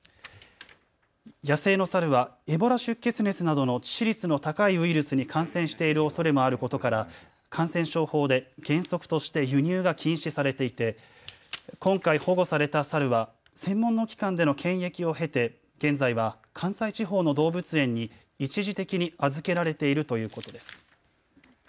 野生の猿はエボラ出血熱などの致死率の高いウイルスに感染しているおそれもあることから感染症法で原則として輸入が禁止されていて今回保護された猿は専門の機関での検疫を経て、現在は関西地方の動物園に一時的に預けられているということです。